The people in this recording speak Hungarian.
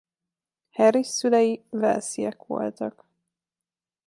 Harris szülei walesiek voltak.